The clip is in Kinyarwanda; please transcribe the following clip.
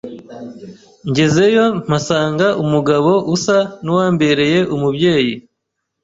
ngezeyo mpasanga umugabo usa n’uwambereye umubyeyi